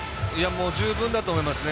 十分だと思いますね。